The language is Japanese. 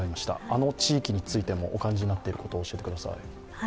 あの地域についてもお感じになっていること、教えてください。